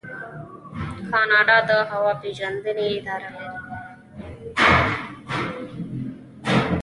کاناډا د هوا پیژندنې اداره لري.